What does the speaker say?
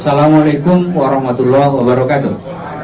assalamualaikum warahmatullahi wabarakatuh